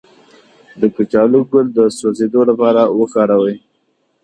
د کچالو ګل د سوځیدو لپاره وکاروئ